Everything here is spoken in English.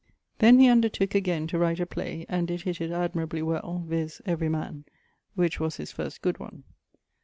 Then he undertooke againe to write a playe, and did hitt it admirably well, viz. 'Every man ...' which was his first good one.